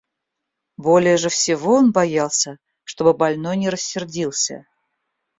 Более же всего он боялся, чтобы больной не рассердился.